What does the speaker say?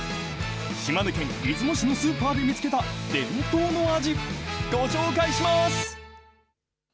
島根県出雲市のスーパーで見つけた伝統の味、ご紹介します。